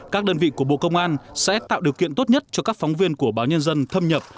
các đơn vị của bộ công an sẽ tạo điều kiện tốt nhất cho các phóng viên của báo nhân dân thâm nhập